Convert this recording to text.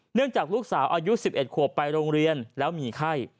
เนื่องจากลูกสาวอายุ๑๑ขวบไปโรงเรียนแล้วมีไข้